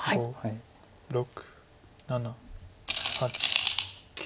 ６７８９。